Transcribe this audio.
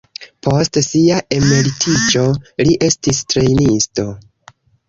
Post sia emeritiĝo, li estis trejnisto.